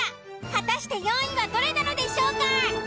果たして４位はどれなのでしょうか。